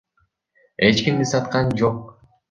Эч кимди саткан жок.